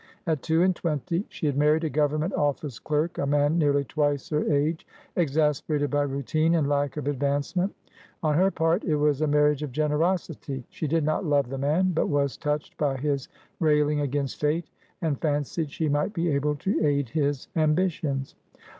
At two and twenty she had married a government office clerk, a man nearly twice her age, exasperated by routine and lack of advancement; on her part it was a marriage of generosity; she did not love the man, but was touched by his railing against fate, and fancied she might be able to aid his ambitions.